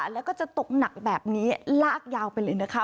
แล้วก็จะตกหนักแบบนี้ลากยาวไปเลยนะคะ